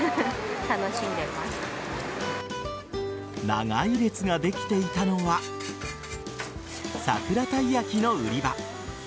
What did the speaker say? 長い列ができていたのは桜たいやきの売り場。